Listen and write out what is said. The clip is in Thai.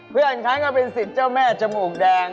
เพื่อนฉันก็เป็นสิทธิ์เจ้าแม่จมูกแดง